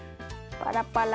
パラパラ。